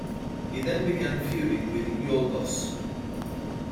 He then began feuding with Yorghos.